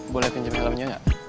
boleh pinjamin alamnya gak